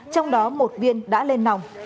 trong đó một viên đã lên nòng